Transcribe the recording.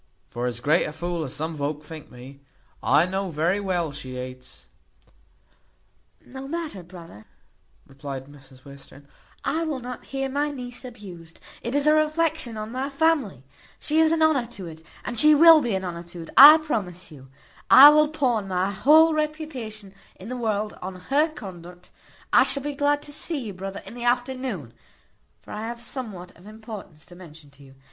For as great a fool as some volk think me, I know very well she hates " "No matter, brother," replied Mrs Western, "I will not hear my niece abused. It is a reflection on my family. She is an honour to it; and she will be an honour to it, I promise you. I will pawn my whole reputation in the world on her conduct. I shall be glad to see you, brother, in the afternoon; for I have somewhat of importance to mention to you.